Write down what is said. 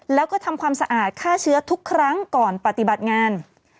แล้วก็ทำความสะอาดฆ่าเชื้อทุกครั้งก่อนปฏิบัติงาน